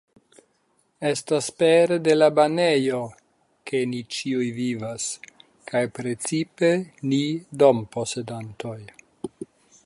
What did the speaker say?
Estas pere de la banejo, ke ni ĉiuj vivas, kaj precipe ni domposedantoj.